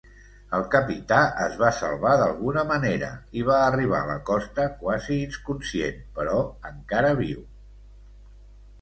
El capità es va salvar d'alguna manera i va arribar a la costa quasi inconscient, però encara viu.